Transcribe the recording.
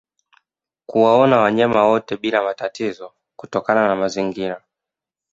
Kuwaona wanyama wote bila matatizo kutokana na mazingira